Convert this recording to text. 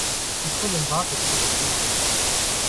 Die Kundin wartet schon auf uns.